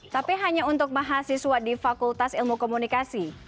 tapi hanya untuk mahasiswa di fakultas ilmu komunikasi